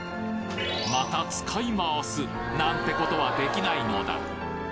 また使い回すなんてことはできないのだ